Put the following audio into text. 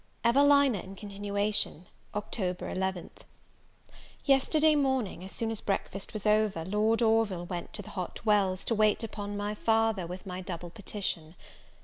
EVELINA IN CONTINUATION. Oct. 11th. YESTERDAY morning, as soon as breakfast was over, Lord Orville went to the Hot Wells, to wait upon my father with my double petition.